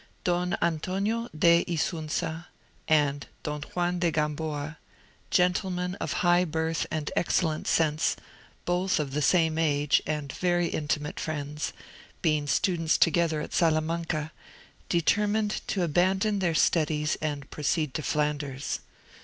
Don Antonio de Isunza and Don Juan de Gamboa, gentlemen of high birth and excellent sense, both of the same age, and very intimate friends, being students together at Salamanca, determined to abandon their studies and proceed to Flanders.